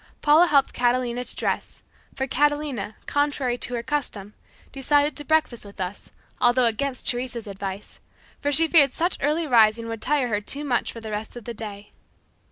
Paula helped Catalina to dress, for Catalina, contrary to her custom, decided to breakfast with us, although against Teresa's advice, for she feared such early rising would tire her too much for the rest of the day.